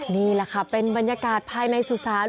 นี่แหละค่ะเป็นบรรยากาศภายในสุสาน